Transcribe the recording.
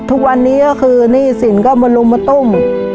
ทุกวันนี้ก็คือหนี้สินก็มาลุมมาตุ้ม